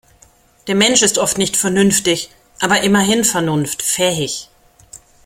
Der Mensch ist oft nicht vernünftig, aber immerhin vernunftfähig.